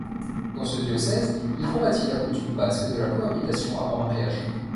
Dans ce diocèse, il combattit la coutume basque de la cohabitation avant mariage.